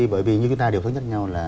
bởi vì như chúng ta đều thống nhất nhau là